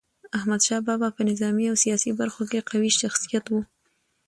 احمد شاه بابا په نظامي او سیاسي برخو کي قوي شخصیت و.